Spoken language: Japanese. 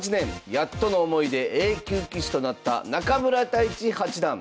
やっとの思いでＡ級棋士となった中村太地八段。